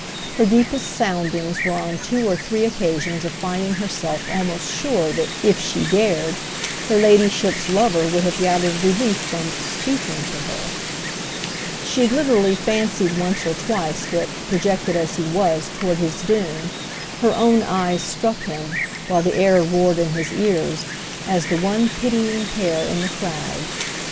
Her deepest soundings were on two or three occasions of finding herself almost sure that, if she dared, her ladyship's lover would have gathered relief from "speaking" to her. She literally fancied once or twice that, projected as he was toward his doom, her own eyes struck him, while the air roared in his ears, as the one pitying pair in the crowd.